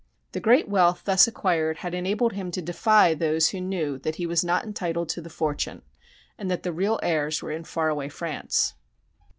The great wealth thus acquired had enabled him to defy those who knew that he was not entitled to the fortune, and that the real heirs were in far away France.